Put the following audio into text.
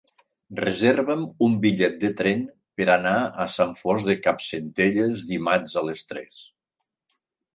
Reserva'm un bitllet de tren per anar a Sant Fost de Campsentelles dimarts a les tres.